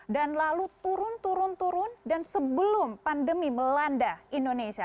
dan lalu turun turun turun dan sebelum pandemi melanda indonesia